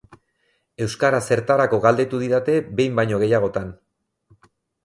Euskara zertarako galdetu didate behin baino gehiagotan.